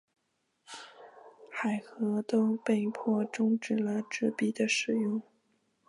海合都被迫中止了纸币的使用。